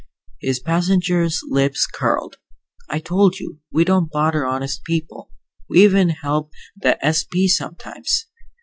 His passenger's lips curled. "I told you, we don't bother honest people. We even help the S.P. sometimes.